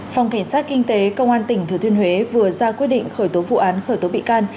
phòng cảnh sát kinh tế công an tỉnh thừa thiên huế vừa ra quyết định khởi tố vụ án khởi tố bị can